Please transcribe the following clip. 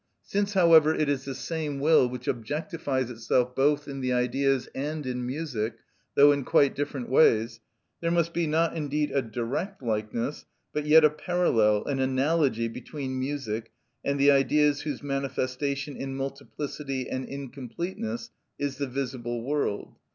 Since, however, it is the same will which objectifies itself both in the Ideas and in music, though in quite different ways, there must be, not indeed a direct likeness, but yet a parallel, an analogy, between music and the Ideas whose manifestation in multiplicity and incompleteness is the visible world.